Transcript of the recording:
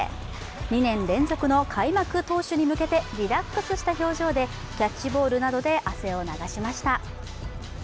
２年連続の開幕投手に向けてリラックスした表情でキャッチボールなどで汗を流しました。